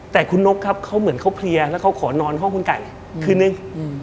แต่คุณนกครับเขาเหมือนเขาเพลียแล้วเขาขอนอนห้องคุณไก่คืนนึง